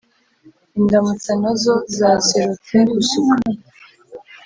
Indamutsa nazo zazirutse gusuka